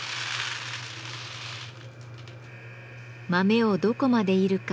豆をどこまで煎るか